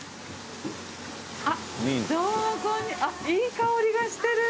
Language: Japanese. あっいい香りがしてる！